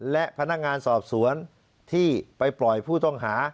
และพนักงานสอบสวนที่ไปปล่อยผู้ต้องหา